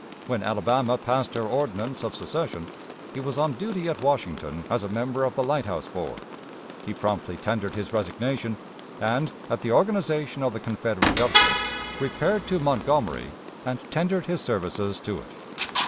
When Alabama passed her ordinance of secession, he was on duty at Washington as a member of the Lighthouse Board; he promptly tendered his resignation, and, at the organization of the Confederate Government, repaired to Montgomery and tendered his services to it.